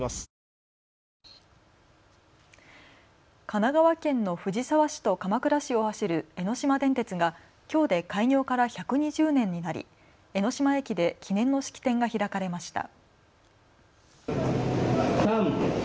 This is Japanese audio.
神奈川県の藤沢市と鎌倉市を走る江ノ島電鉄がきょうで開業から１２０年になり江ノ島駅で記念の式典が開かれました。